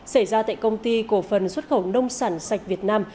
xảy ra tại công ty cổ phần xuất khẩu nông sản sạch việt nam